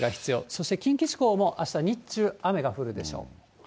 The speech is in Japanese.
そして近畿地方も、あした日中、雨が降るでしょう。